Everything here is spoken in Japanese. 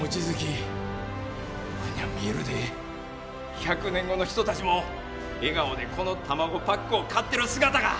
１００年後の人たちも笑顔でこの卵パックを買ってる姿が！